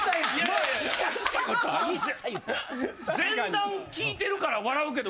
前段聞いてるから笑うけど。